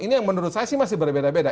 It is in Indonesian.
ini yang menurut saya sih masih berbeda beda